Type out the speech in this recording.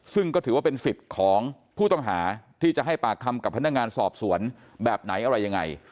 ซึ่งก็ถือว่าเป็นสิทธิ์ของผู้ต้องหาที่จะให้ปากคำกับพนักงานสอบสวนแบบไหนอะไรยังไง